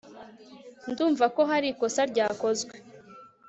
Ndumva ko hari ikosa ryakozwe